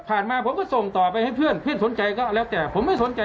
มาผมก็ส่งต่อไปให้เพื่อนเพื่อนสนใจก็แล้วแต่ผมไม่สนใจ